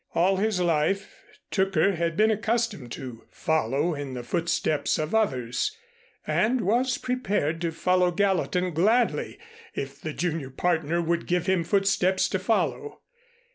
All his life Tooker had been accustomed to follow in the footsteps of others, and was prepared to follow Gallatin gladly, if the junior partner would give him footsteps to follow.